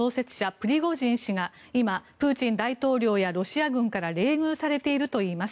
プリゴジン氏が今、プーチン大統領やロシア軍から冷遇されているといいます。